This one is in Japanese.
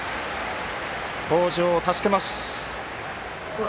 北條を助けます。